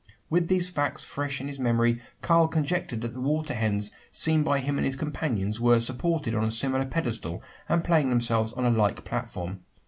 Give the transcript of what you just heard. With these facts fresh in his memory, Karl conjectured that the water hens seen by him and his companions were supported on a similar pedestal, and playing themselves on a like platform.